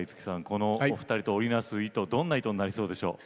このお二人と織り成す糸どんな糸になりそうでしょう？